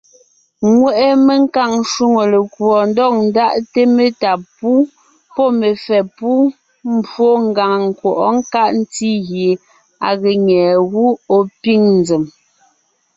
Ŋweʼe menkàŋ shwòŋo lekùɔ ndɔg ndáʼte metá pú pɔ́ mefɛ́ pú mbwó ngàŋ nkwɔʼɔ́ nkáʼ ntí gie à ge nyé gú ɔ̀ pîŋ nzèm.